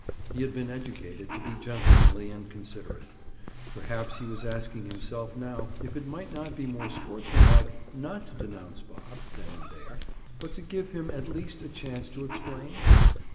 He had been educated to be gentlemanly and considerate. Perhaps he was asking himself now if it might not be more sportsmanlike not to denounce Bob, then and there, but to give him, at least, a chance to explain?